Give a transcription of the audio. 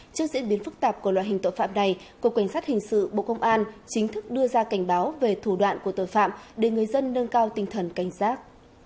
trước diễn biến phức tạp của loại hình tội phạm này cục cảnh sát hình sự bộ công an chính thức đưa ra cảnh báo về thủ đoạn của tội phạm để người dân nâng cao tinh thần cảnh giác